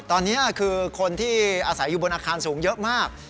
ตอนนี้คือคนที่อาศัยอยู่บนอาคารสูงเยอะมาก